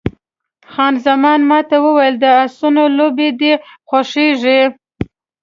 خان زمان ما ته وویل، د اسونو لوبې دې خوښېږي؟